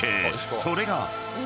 ［それが］